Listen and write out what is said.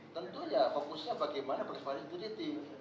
tentunya fokusnya bagaimana berkesan kesan itu